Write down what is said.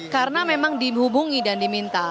karena memang dihubungi dan diminta